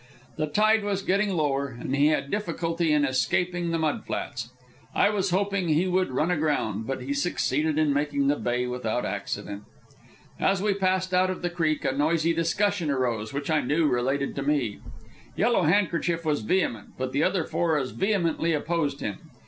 The tide was getting lower, and he had difficulty in escaping the mud banks. I was hoping he would run aground, but he succeeded in making the Bay without accident. As we passed out of the creek a noisy discussion arose, which I knew related to me. Yellow Handkerchief was vehement, but the other four as vehemently opposed him.